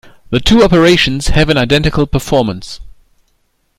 The two operations have an identical performance.